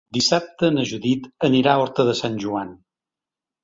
Dissabte na Judit anirà a Horta de Sant Joan.